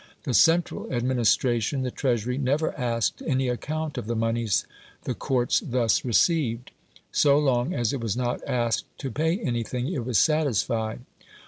The central administration, the Treasury, never asked any account of the moneys the courts thus received; so long as it was not asked to pay anything, it was satisfied.